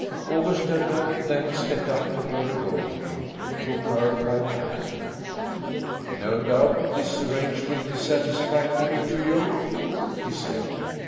August Där Nol then stepped up to Glory Goldie and took her by the hand. "No doubt this arrangement is satisfactory to you," he said.